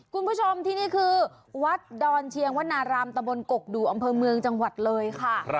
คุณผู้ชมที่นี่คือวัดดอนเชียงวนารามตะบนกกดูอำเภอเมืองจังหวัดเลยค่ะ